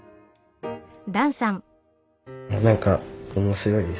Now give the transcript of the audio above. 何か面白いです。